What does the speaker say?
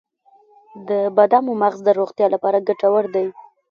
د بادامو مغز د روغتیا لپاره ګټور دی.